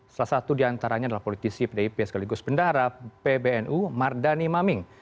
salah satu diantaranya adalah politisi pdip sekaligus bendara pbnu mardani maming